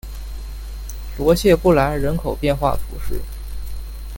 罗谢布兰人口变化图示